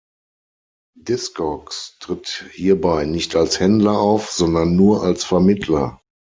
Discogs tritt hierbei nicht als Händler auf, sondern nur als Vermittler.